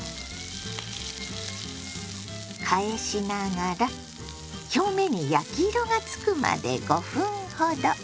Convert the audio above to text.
返しながら表面に焼き色がつくまで５分ほど。